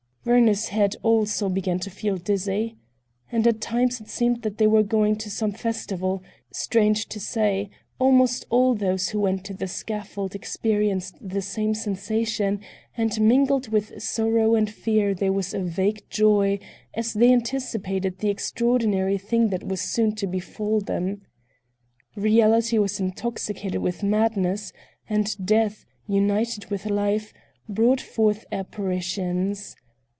Werner's head also began to feel dizzy. And at times it seemed that they were going to some festival; strange to say, almost all those who went to the scaffold experienced the same sensation and mingled with sorrow and fear there was a vague joy as they anticipated the extraordinary thing that was soon to befall them. Reality was intoxicated with madness and Death, united with Life, brought forth apparitions.